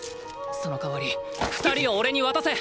その代わり二人をおれに渡せ！